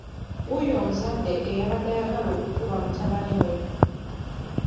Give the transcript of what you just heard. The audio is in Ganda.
Wuuyo omuzadde eyabadde ayagala okukuba mutabani we